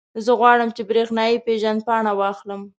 زه غواړم، چې برېښنایي پېژندپاڼه واخلم.